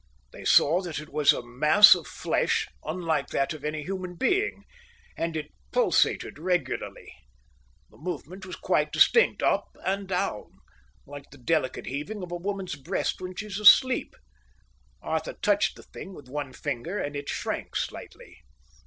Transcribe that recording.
They saw that it was a mass of flesh unlike that of any human being; and it pulsated regularly. The movement was quite distinct, up and down, like the delicate heaving of a woman's breast when she is asleep. Arthur touched the thing with one finger and it shrank slightly.